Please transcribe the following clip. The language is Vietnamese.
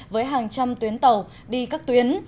với hàng trăm tuyến tàu đi các tuyến